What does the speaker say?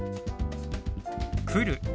「来る」。